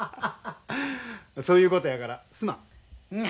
そういうことやからすまん。